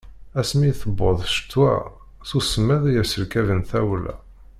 Asmi i d-tewweḍ ccetwa, s usemmiḍ i yesserkaben tawla.